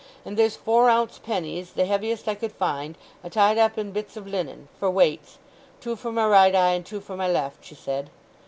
And there's four ounce pennies, the heaviest I could find, a tied up in bits of linen, for weights—two for my right eye and two for my left,' she said.